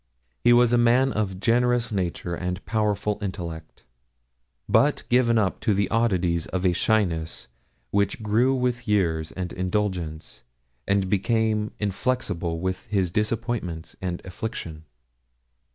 He was a man of generous nature and powerful intellect, but given up to the oddities of a shyness which grew with years and indulgence, and became inflexible with his disappointments and affliction.